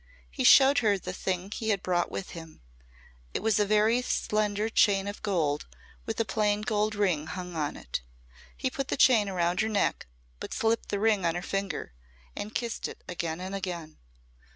He showed her the thing he had brought with him. It was a very slender chain of gold with a plain gold ring hung on it. He put the chain around her neck but slipped the ring on her finger and kissed it again and again.